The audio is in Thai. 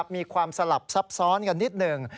มีความสลับซับซ้อนกันนิดหนึ่ง